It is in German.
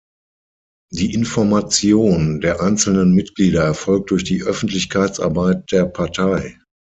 Die Information der einzelnen Mitglieder erfolgt durch die Öffentlichkeitsarbeit der Partei.